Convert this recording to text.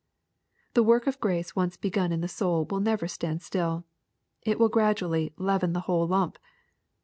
The work of grace once begun in the soul will nevei »tand still. It wUl gradually " leaven the whole lump."